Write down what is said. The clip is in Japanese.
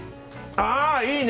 ああ、いいね！